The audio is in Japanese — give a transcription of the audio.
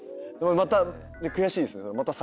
また悔しいですね。